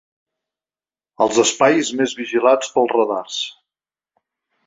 Els espais més vigilats pels radars.